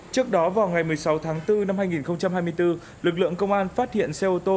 trước đó vào ngày một mươi sáu tháng bốn năm hai nghìn hai mươi bốn lực lượng công an phát hiện xe ô tô